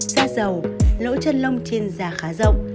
da dầu lỗ chân lông trên da khá rộng